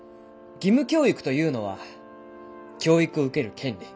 義務教育というのは教育を受ける権利。